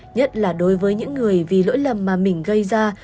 nhất là đối với những người vì lỗi lầm mà mình gây ra